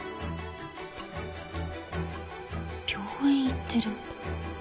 病院行ってる。